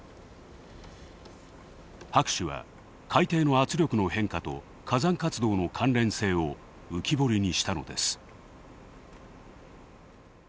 博士は海底の圧力の変化と火山活動の関連性を浮き彫りにしたのです。